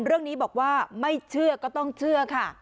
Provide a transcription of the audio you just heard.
เรื่องนี้บอกว่าไม่เชื่อก็ต้องเชื่อค่ะ